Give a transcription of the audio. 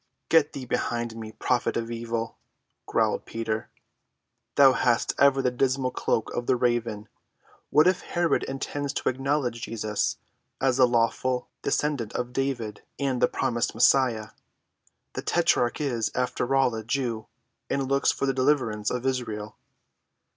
"Get thee behind me, prophet of evil," growled Peter; "thou hast ever the dismal croak of the raven. What if Herod intends to acknowledge Jesus as the lawful descendant of David and the promised Messiah? The tetrarch is, after all, a Jew, and looks for the deliverance of Israel."